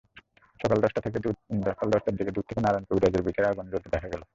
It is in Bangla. সকাল দশটার দিকে দূর থেকে নারায়ণ কবিরাজের ভিটায় আগুন জ্বলতে দেখা গেল।